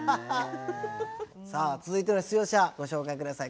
さあ続いての出場者ご紹介下さい。